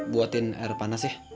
buatin air panas ya